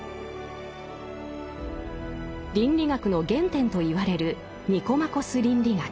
倫理学の原点と言われる「ニコマコス倫理学」。